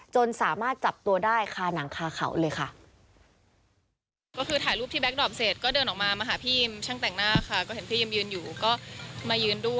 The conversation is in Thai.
จนสามารถจับตัวได้คาหนังคาเขาเลยค่ะ